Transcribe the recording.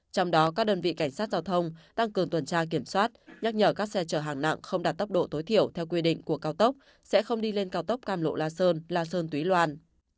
trong đó các đơn vị cảnh sát giao thông tăng cường tuần tra kiểm soát nhắc nhở các xe chở hàng nặng không đạt tốc độ tối thiểu theo quy định của cao tốc sẽ không đi lên cao tốc cam lộ la sơn la sơn túy loan